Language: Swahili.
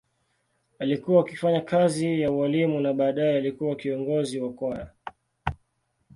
Alikuwa akifanya kazi ya ualimu na baadaye alikuwa kiongozi wa kwaya.